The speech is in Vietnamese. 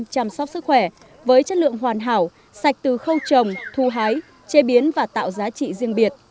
chăm sóc sức khỏe với chất lượng hoàn hảo sạch từ khâu trồng thu hái chế biến và tạo giá trị riêng biệt